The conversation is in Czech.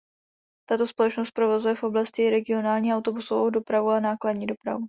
Tato společnost provozuje v oblasti i regionální autobusovou dopravu a nákladní dopravu.